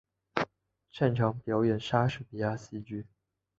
擅长表演莎士比亚戏剧。